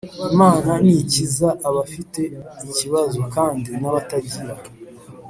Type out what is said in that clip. imana nikize abafite ikibazo kandi nabatagira